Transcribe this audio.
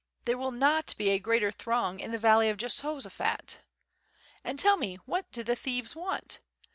There will not be a greater throng in the valley of Jehosaphat. And tell me, what do the thieves want?